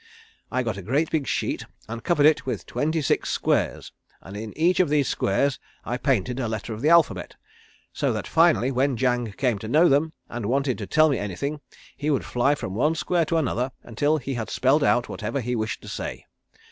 I got a great big sheet and covered it with twenty six squares, and in each of these squares I painted a letter of the alphabet, so that finally when Jang came to know them, and wanted to tell me anything he would fly from one square to another until he had spelled out whatever he wished to say.